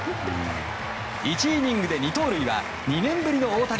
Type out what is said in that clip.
１イニングで２盗塁は２年ぶりの大谷。